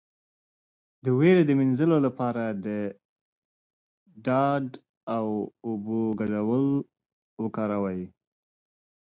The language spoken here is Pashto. د ویرې د مینځلو لپاره د ډاډ او اوبو ګډول وکاروئ